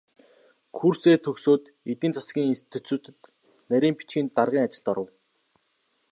Курсээ төгсөөд эдийн засгийн институцэд нарийн бичгийн даргын ажилд оров.